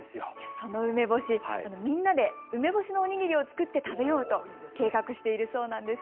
その梅干し、みんなで梅干しのお握りを作って食べようと計画しているそうなんです。